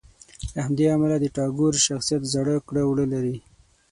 له همدې امله د ټاګور شخصیت زاړه کړه وړه لري.